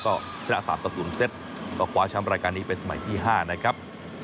ก็ชนะ๓ต่อ๐เซตก็คว้าแชมป์รายการนี้เป็นสมัยที่๕นะครับ